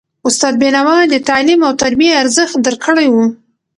استاد بینوا د تعلیم او تربیې ارزښت درک کړی و.